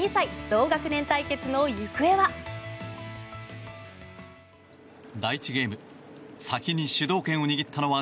同学年対決の行方は。